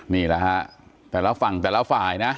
นี่แหละฮะแต่ละฝั่งแต่ละฝ่ายนะ